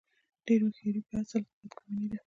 ډېره هوښیاري په اصل کې بد ګماني ده.